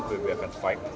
pbb akan fight